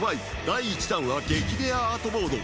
第１弾は激レアアートボード